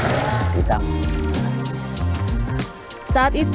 saat itu asosiasi perajin sandal wedorong mencapai lima ratus tujuh puluh satu